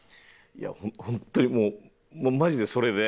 いやホントにもうマジでそれで。